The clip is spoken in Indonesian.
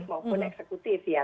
maupun eksekutif ya